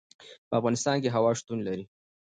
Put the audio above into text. په افغانستان کې هوا شتون لري.